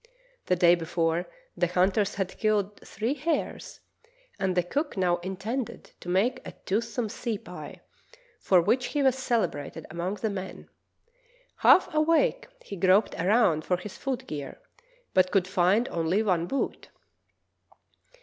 The day before the hunters had killed three hares, and the cook now intended to make a toothsome sea pie, for which he was celebrated among the men. Half awake, he groped around for his foot gear, but could find only one boot.